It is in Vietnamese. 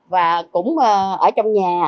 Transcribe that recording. và cũng ở trong nhà